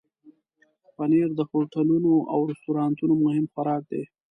پنېر د هوټلونو او رستورانونو مهم خوراک دی.